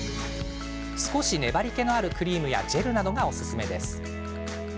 少し粘りけのあるクリームやジェルなどが、おすすめです。